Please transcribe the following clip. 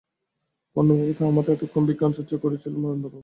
পূর্ণবাবুতে আমাতে এতক্ষণ বিজ্ঞানচর্চা করছিলুম চন্দ্রবাবু!